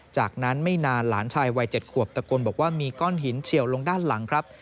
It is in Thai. จากนั้นไม่นานหลานชายวัย๗ขวบตะโกนบอกว่ามีก้อนหินเฉียวลงด้านหลังครับ